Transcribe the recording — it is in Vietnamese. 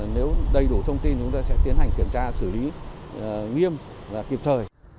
nếu đầy đủ thông tin chúng ta sẽ tiến hành kiểm tra xử lý nghiêm và kịp thời